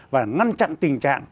và ngăn chặn tình trạng